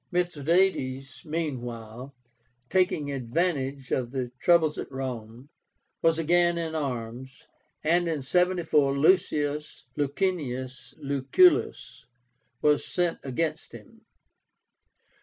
Mithradátes meanwhile, taking advantage of the troubles at Rome, was again in arms, and in 74 LUCIUS LICINIUS LUCULLUS was sent against him.